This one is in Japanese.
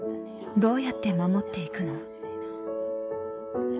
「どうやって守って行くの」